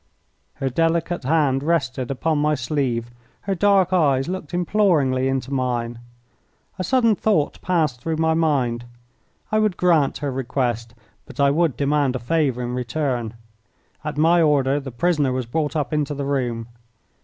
Her delicate hand rested upon my sleeve, her dark eyes looked imploringly into mine. A sudden thought passed through my mind. I would grant her request, but I would demand a favour in return. At my order the prisoner was brought up into the room.